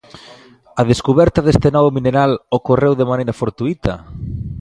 A descuberta deste novo mineral, ocorreu de maneira fortuíta?